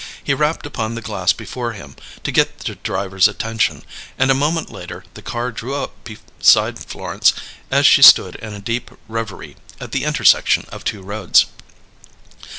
He rapped upon the glass before him, to get the driver's attention, and a moment later the car drew up beside Florence, as she stood in a deep reverie at the intersection of two roads.